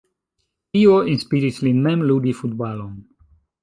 Tio inspiris lin mem ludi futbalon.